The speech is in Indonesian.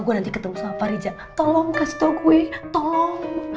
gua ketar ketin